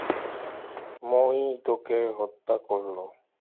মো-ই তো তাকে হত্যা করলো।